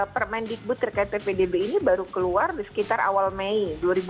permendikbud terkait ppdb ini baru keluar di sekitar awal mei dua ribu delapan belas